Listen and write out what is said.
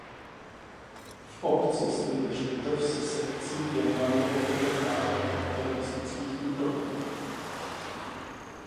V obci stojí hřbitov se sekcí věnovanou obětem válek a teroristických útoků.